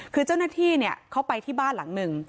คือเจ้าหน้าที่เขาไปที่บ้านหลังหนึ่ง